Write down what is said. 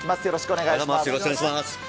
よろしくお願いします。